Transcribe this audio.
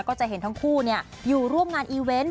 ก็จะเห็นทั้งคู่อยู่ร่วมงานอีเวนต์